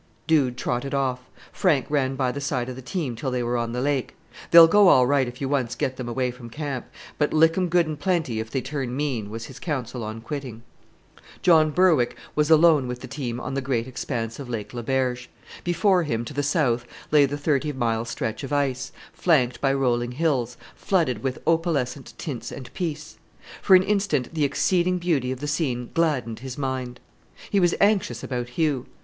Dude trotted off. Frank ran by the side of the team till they were on the lake. "They'll go all right if you once get them away from camp, but lick 'em good and plenty if they turn mean," was his counsel on quitting. John Berwick was alone with the team on the great expanse of Lake Le Berge. Before him, to the south, lay the thirty mile stretch of ice, flanked by rolling hills, flooded with opalescent tints and peace. For an instant the exceeding beauty of the scene gladdened his mind. He was anxious about Hugh.